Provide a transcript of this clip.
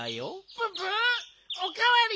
ププ！おかわり！